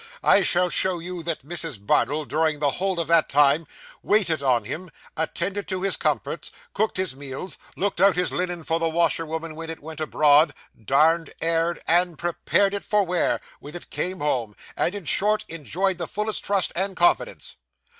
I shall show you that Mrs. Bardell, during the whole of that time, waited on him, attended to his comforts, cooked his meals, looked out his linen for the washerwoman when it went abroad, darned, aired, and prepared it for wear, when it came home, and, in short, enjoyed his fullest trust and confidence.